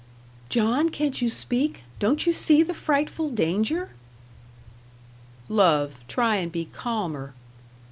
"John, can't you speak? Don't you see the frightful danger?" "Love, try and be calmer."